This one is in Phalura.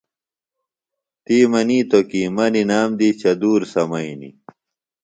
تی منیتو کی مہ نِنام دی چدُور سمئینی۔